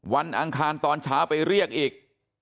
อังคารตอนเช้าไปเรียกอีก